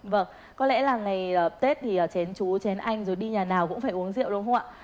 vâng có lẽ là ngày tết thì chến chú chén anh rồi đi nhà nào cũng phải uống rượu đúng không ạ